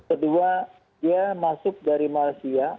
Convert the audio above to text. kedua dia masuk dari malaysia